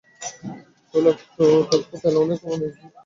তৈলাক্ত ত্বকেও তেলঅনেকে মনে করেন তৈলাক্ত ত্বকে তেল ব্যবহার করা যাবে না।